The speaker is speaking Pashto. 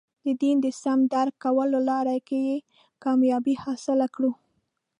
د دین د سم درک کولو لاره کې کامیابي حاصله کړو.